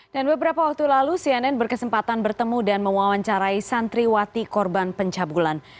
dan beberapa waktu lalu cnn berkesempatan bertemu dan mewawancarai santriwati korban pencabulan